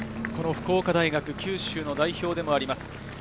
福岡大学、九州の代表でもあります。